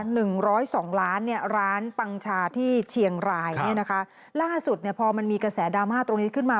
หนึ่งร้อยสองล้านเนี่ยร้านปังชาที่เชียงรายเนี่ยนะคะล่าสุดเนี่ยพอมันมีกระแสดราม่าตรงนี้ขึ้นมา